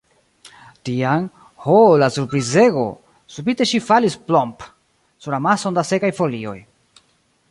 Tiam, ho, la surprizego!, subite ŝi falis plomp! sur amason da sekaj folioj.